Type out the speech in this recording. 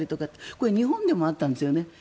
これ日本でもあったんですよね。